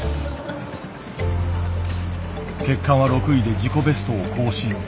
結果は６位で自己ベストを更新。